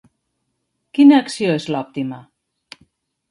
Quina acció és l'òptima?